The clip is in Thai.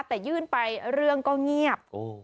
แต่ยื่นไปเรื่องก็เงียบ